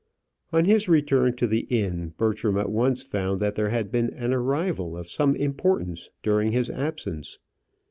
On his return to his inn, Bertram at once found that there had been an arrival of some importance during his absence.